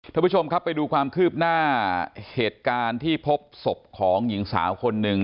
ท่านผู้ชมครับไปดูความคืบหน้าเหตุการณ์ที่พบศพของหญิงสาวคนหนึ่ง